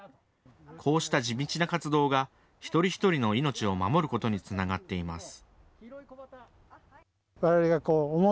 こうした地道な活動が一人一人の命を守ることにつながっています。